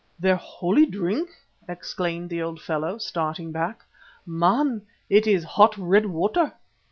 "Their holy drink!" exclaimed the old fellow, starting back. "Man, it is hot red water.